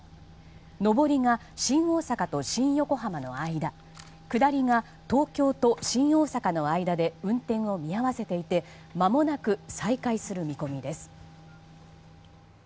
上りが新大阪と新横浜の間下りが東京と新大阪の間で運転を見合わせていてまもなく再開する見込みです。